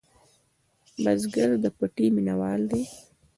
بزګر د پټي مېنهوال دی